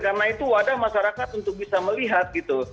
karena itu ada masyarakat untuk bisa melihat gitu